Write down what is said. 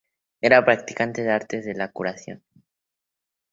Era practicante de artes de la curación.